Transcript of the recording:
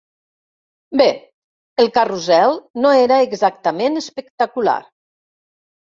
Bé, el carrusel no era exactament espectacular.